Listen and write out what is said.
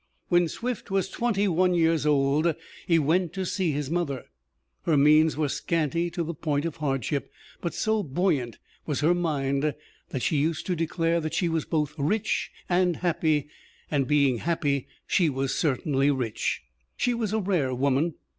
When Swift was twenty one years old he went to see his mother. Her means were scanty to the point of hardship, but so buoyant was her mind that she used to declare that she was both rich and happy and being happy she was certainly rich. She was a rare woman.